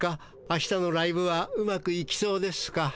あしたのライブはうまくいきそうですか？